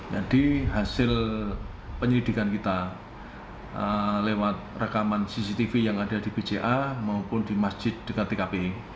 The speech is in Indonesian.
jadi hasil penyelidikan kita lewat rekaman cctv yang ada di bca maupun di masjid dekat tkp